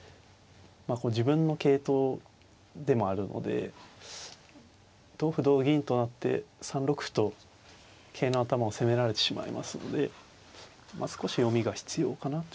自分の桂頭でもあるので同歩同銀となって３六歩と桂の頭を攻められてしまいますので少し読みが必要かなという。